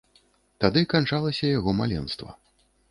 Тады канчалася яго маленства.